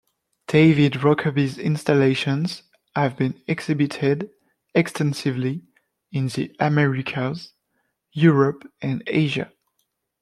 David Rokeby's installations have been exhibited extensively in the Americas, Europe and Asia.